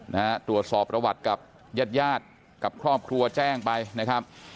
นะฮะตรวจสอบประวัติกับญาติญาติกับครอบครัวแจ้งไปนะครับ